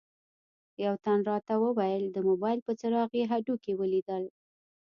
یوه تن راته وویل د موبایل په څراغ یې هډوکي ولیدل.